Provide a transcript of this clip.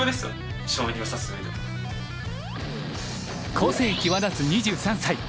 個性際立つ２３歳。